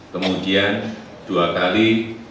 kemudian dua kali